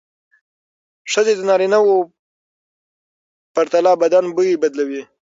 ښځې د نارینه وو پرتله بدن بوی بدلوي.